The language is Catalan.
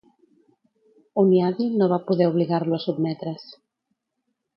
Hunyadi no va poder obligar-lo a sotmetre's.